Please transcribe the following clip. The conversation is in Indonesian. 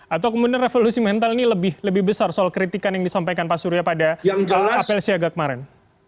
atau kemudian revolusi mental ini lebih besar soal kritikan yang disampaikan pak surya pada apel siaga kemarin